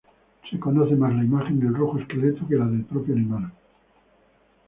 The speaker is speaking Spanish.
Se conoce más la imagen del rojo esqueleto que la del propio animal.